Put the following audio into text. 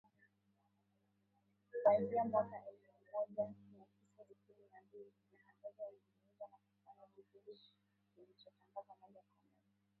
Kuanzia mwaka elfu moja mi tisa stini na mbili, matangazo yaligeuzwa na kufanywa kipindi kilichotangazwa moja kwa moja